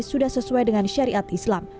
sudah sesuai dengan syariat islam